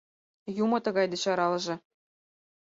Юмо тыгай деч аралыже!